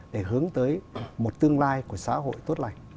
để hướng tới một tương lai của xã hội tốt lành